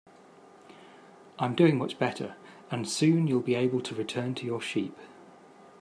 I'm doing much better, and soon you'll be able to return to your sheep.